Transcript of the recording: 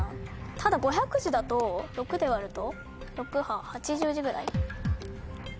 ただ５００字だと６で割ると６×８８０字ぐらい？